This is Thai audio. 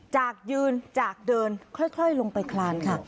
จากยืนจากเดินค่อยลงไปคลานค่ะ